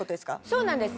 そうなんです。